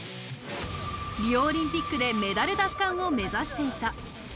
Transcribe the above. リオオリンピックでメダル奪還を目指していた。